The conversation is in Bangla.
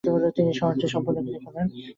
তিনি শহরটি সম্পূর্ণ ঘিরে ফেলেন।